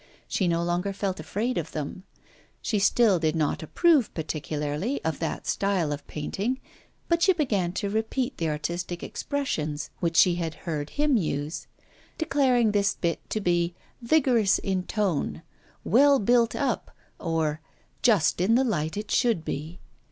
She no longer felt afraid of them. She still did not approve particularly of that style of painting, but she began to repeat the artistic expressions which she had heard him use; declared this bit to be 'vigorous in tone,' 'well built up,' or 'just in the light it should be.